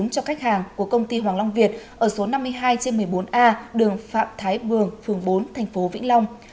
cho khách hàng của công ty hoàng long việt ở số năm mươi hai trên một mươi bốn a đường phạm thái bường phường bốn thành phố vĩnh long